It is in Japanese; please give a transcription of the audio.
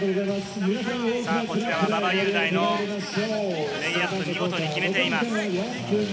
こちらは馬場雄大のレイアップ、見事に決めています。